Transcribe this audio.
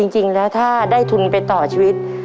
จริงแล้วถ้าได้ทุนไปต่อชีวิต